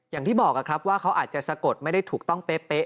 อย่างที่บอกครับว่าเขาอาจจะสะกดไม่ได้ถูกต้องเป๊ะ